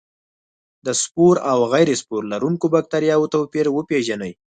د سپور او غیر سپور لرونکو بکټریا توپیر وپیژني.